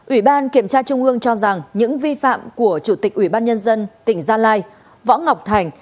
ủy ban kiểm tra trung ương cho rằng những vi phạm của chủ tịch ủy ban nhân dân tỉnh gia lai võ ngọc thành